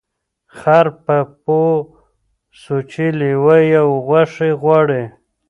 خر په پوه سوچی لېوه یې غوښي غواړي